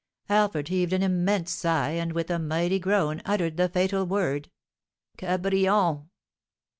Alfred heaved an immense sigh, and, with a mighty groan, uttered the fatal word: "Cabrion!"